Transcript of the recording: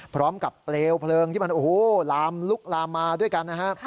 เปลวเพลิงที่มันโอ้โหลามลุกลามมาด้วยกันนะฮะ